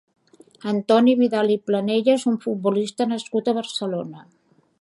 Antoni Vidal i Planella és un futbolista nascut a Barcelona.